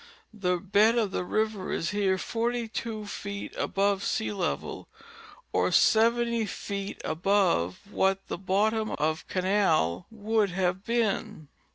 The bed of the river is here "42 feet above sea level, or 70 feet above what the bottom of canal would have been.